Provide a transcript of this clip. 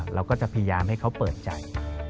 เราก็จะพยายามให้เขาเปิดใจ